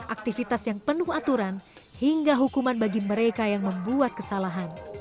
aktivitas yang penuh aturan hingga hukuman bagi mereka yang membuat kesalahan